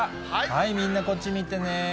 みんな、こっち見てね。